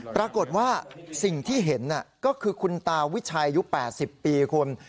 ปรากฏว่าสิ่งที่เห็นก็คือคุณตาวิชัยอายุ๘๐ปีคุณ